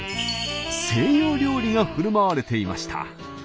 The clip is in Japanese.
西洋料理がふるまわれていました。